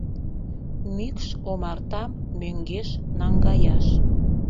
— Мӱкш омартам мӧҥгеш наҥгаяш.